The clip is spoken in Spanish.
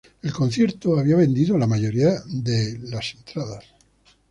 El concierto había vendido la mayoría de espectáculos.